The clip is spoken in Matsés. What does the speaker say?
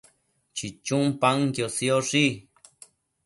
chichun paën sioshi